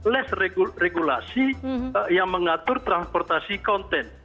lest regulasi yang mengatur transportasi konten